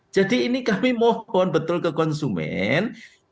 jadi ini kami mohon betul ke konsumen